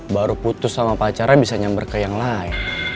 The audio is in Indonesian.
baru putus sama pacarnya bisa nyamber ke yang lain